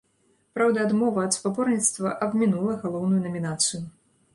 Праўда, адмова ад спаборніцтва абмінула галоўную намінацыю.